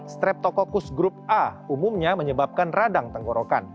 streptococcus grup a umumnya menyebabkan radang tenggorokan